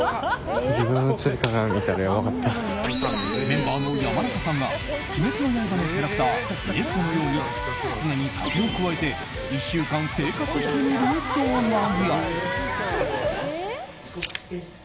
メンバーの山中さんが「鬼滅の刃」のキャラクター禰豆子のように常に竹をくわえて１週間生活してみる動画や。